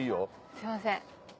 すいません。